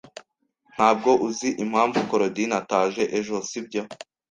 Ntabwo uzi impamvu Korodina ataje ejo, sibyo?